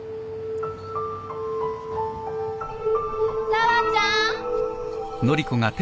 紗和ちゃん。